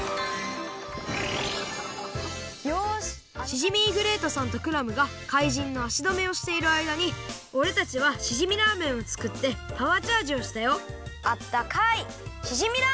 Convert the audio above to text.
シジミーグレイトさんとクラムがかいじんのあしどめをしているあいだにおれたちはしじみラーメンをつくってパワーチャージをしたよあったかい